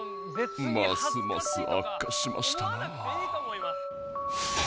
ますますあっかしましたなあ。